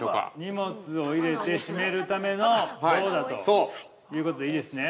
◆荷物を入れて閉めるための棒だということでいいですね。